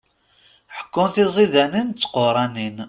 Ḥekkun tizidanin d tquranin.